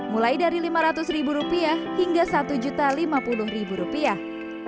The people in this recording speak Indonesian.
mulai dari lima ratus rupiah hingga satu juta lima puluh rupiah